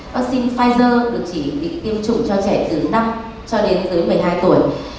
vắc xin pfizer được chỉ định tiêm chủng cho trẻ từ năm cho đến dưới một mươi hai tuổi